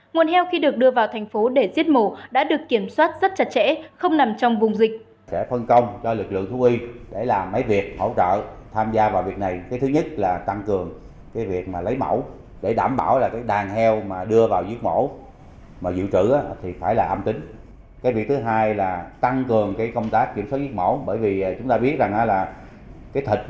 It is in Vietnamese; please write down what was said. nguồn heo khi được đưa vào thành phố để giết mổ đã được kiểm soát rất chặt chẽ không nằm trong vùng dịch